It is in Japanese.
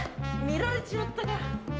見られちまったか。